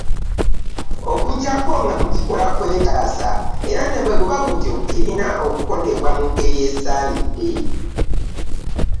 Okujjako nga mukikola kwetaasa, era nebweguba gutyo kirina okukolebwa mu ngeri esaanidde.